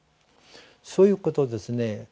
そういうことをですね